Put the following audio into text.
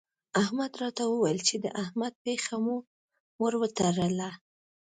احمد راته وويل چې د احمد پښه مو ور وتړله.